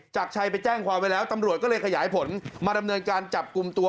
จากชัยไปแจ้งความไว้แล้วตำรวจก็เลยขยายผลมาดำเนินการจับกลุ่มตัว